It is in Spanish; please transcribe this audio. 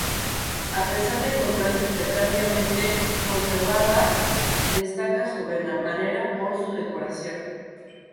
A pesar de encontrarse precariamente conservada, destaca sobremanera por su decoración.